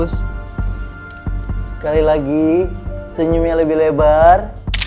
sekali lagi senyumnya lebih lebar